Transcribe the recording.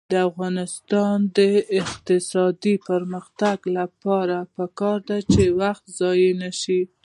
د افغانستان د اقتصادي پرمختګ لپاره پکار ده چې وخت ضایع نشي.